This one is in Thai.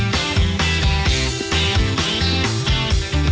เจอกับใครโดนใจหวัง